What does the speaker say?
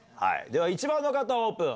では１番の方、オープン。